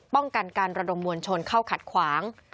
ป้องกันการระดมมวลชนเข้าขัดขวาง